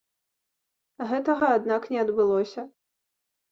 Гэтага аднак не адбылося.